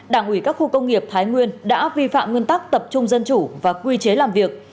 đảng ủy các khu công nghiệp thái nguyên đã vi phạm nguyên tắc tập trung dân chủ và quy chế làm việc